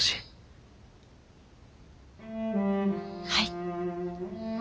はい。